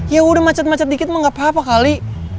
ya udah macet macet dikit mah gak apa apa kali